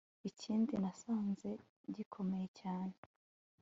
ikindi nasanze gikomeye cyane